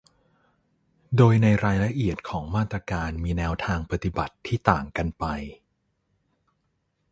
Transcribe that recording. โดยในรายละเอียดของมาตรการมีแนวทางปฏิบัติที่ต่างกันไป